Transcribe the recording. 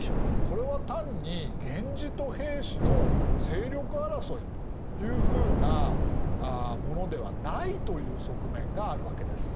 これは単に源氏と平氏の勢力争いいうふうなものではないという側面があるわけです。